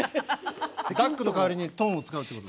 ダックの代わりにトンを使うってこと？